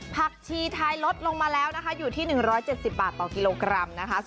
ผักชีไทยลดลงมาแล้วนะคะอยู่ที่๑๗๐บาทต่อกิโลกรัมนะคะ